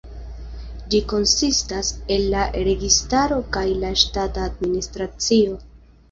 Ĝi konsistas el la registaro kaj la ŝtata administracio.